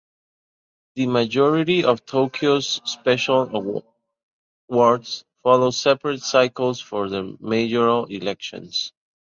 The majority of Tokyo's special wards follow separate cycles for their mayoral elections.